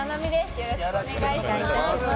よろしくお願いします。